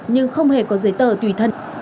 nhưng không hề có giấy tờ tùy thân